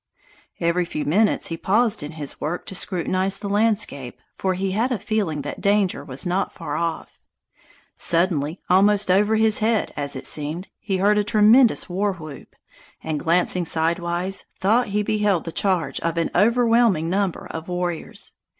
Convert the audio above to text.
Every few minutes he paused in his work to scrutinize the landscape, for he had a feeling that danger was not far off. Suddenly, almost over his head, as it seemed, he heard a tremendous war whoop, and glancing sidewise, thought he beheld the charge of an overwhelming number of warriors.